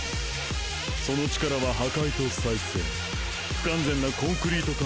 その力は破壊と再生不完全なコンクリート化